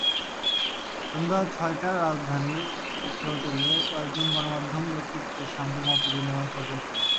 সন্ধ্যা ছয়টায় রাজধানীর একটি হোটেলে কয়েকজন গণমাধ্যম ব্যক্তিত্বের সঙ্গে মতবিনিময় করবেন তিনি।